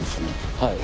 はい。